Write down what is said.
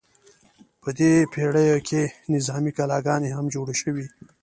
په دې پیړیو کې نظامي کلاګانې هم جوړې شوې.